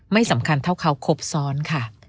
สำคัญเท่าเขาครบซ้อนค่ะ